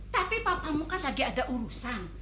tapi papamu kan lagi ada urusan